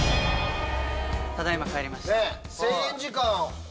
ただ今帰りました。